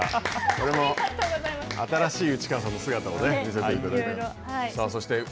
これも新しい内川さんの姿を見せていただいて。